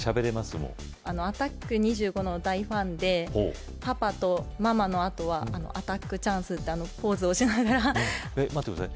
もうアタック２５の大ファンで「パパ」と「ママ」のあとは「アタックチャンス」ってポーズをしながら待ってください